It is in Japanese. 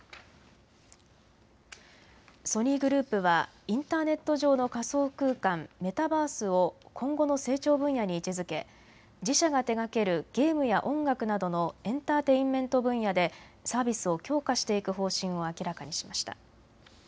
ソニーグループはインターネット上の仮想空間、メタバースを今後の成長分野に位置づけ自社が手がけるゲームや音楽などのエンターテインメント分野でサービスを強化していく方針を明らかにしました。